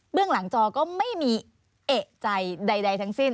เรื่องหลังจอก็ไม่มีเอกใจใดทั้งสิ้น